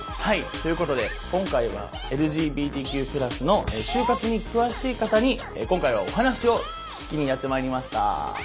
ということで今回はＬＧＢＴＱ＋の就活に詳しい方に今回はお話を聞きにやって参りました！